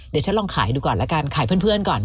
เดี๋ยวฉันลองขายดูก่อนแล้วกันขายเพื่อนก่อน